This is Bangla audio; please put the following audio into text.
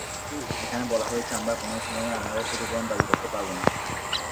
এখানে বলা হয়েছে, আমরা কোনো সময়ে আমাদের ক্ষতিপূরণ দাবি করতে পারব না।